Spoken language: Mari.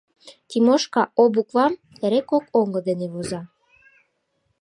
Тимошка «о» буквам эре кок оҥго дене воза.